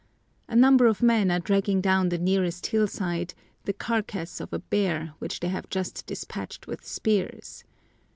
A number of men are dragging down the nearest hillside the carcass of a bear which they have just despatched with spears.